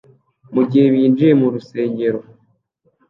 mugihe binjiye mu rusengero